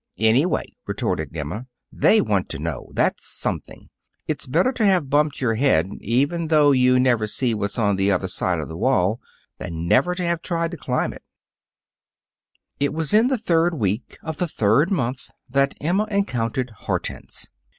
"Anyway," retorted Emma, "they want to know. That's something. It's better to have bumped your head, even though you never see what's on the other side of the wall, than never to have tried to climb it." It was in the third week of the third month that Emma encountered Hortense.